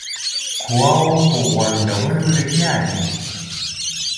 قواوو په غونډولو لګیا دی.